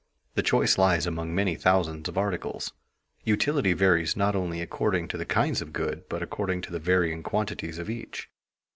The choice lies among many thousands of articles. Utility varies not only according to the kinds of good, but according to the varying quantities of each.